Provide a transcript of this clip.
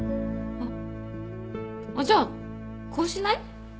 あっあっじゃあこうしない？